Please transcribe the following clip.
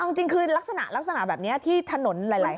เอาจริงคือลักษณะแบบนี้ที่ถนนหลายแห่ง